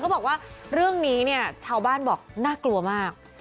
บอกว่าเรื่องนี้เนี่ยชาวบ้านบอกน่ากลัวมาก